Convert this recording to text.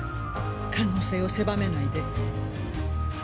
可能性を狭めないで。